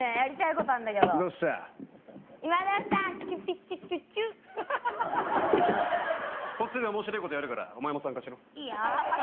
こっちでおもしれえことやるからお前も参加しろいいよ